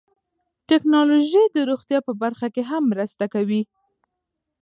ټکنالوژي د روغتیا په برخه کې هم مرسته کوي.